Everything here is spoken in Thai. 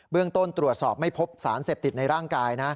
ต้นตรวจสอบไม่พบสารเสพติดในร่างกายนะ